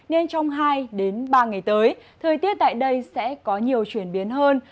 nên trong hai ba ngày tới thời tiết tại đây sẽ có nhiều chuyển biến hơn